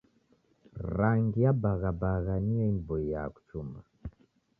Rangi ya bagha bagha niyo iniboiaa kuchumba.